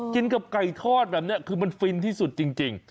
กินกับไก่ทอดแบบนี้คือมันฟินที่สุดจริง